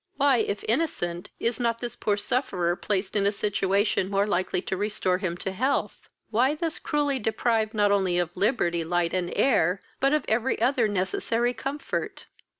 why, if innocent, is not this poor sufferer placed in a situation more likely to restore him to health? why thus cruelly deprived not only of liberty, light, and air, but of every other necessary comfort?"